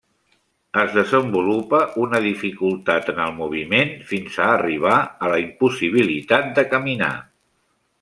Es desenvolupa una dificultat en el moviment, fins a arribar a la impossibilitat de caminar.